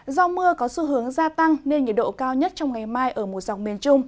do mưa có xu hướng gia tăng nên nhiệt độ cao nhất trong ngày mai ở một dọc miền trung